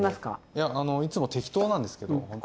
いやあのいつも適当なんですけどほんと。